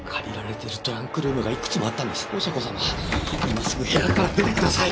今すぐ部屋から出てください！